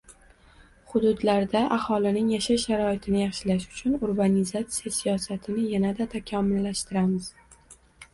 Hududlarda aholining yashash sharoitini yaxshilash uchun urbanizatsiya siyosatini yanada takomillashtiramiz.